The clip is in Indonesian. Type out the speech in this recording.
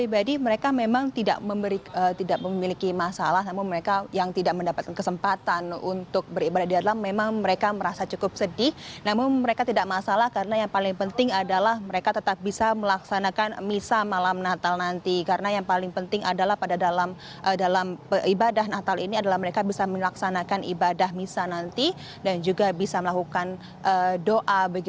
bagaimana perasaan anda mengenai peraturan yang dilakukan oleh pemerintah jemaat khususnya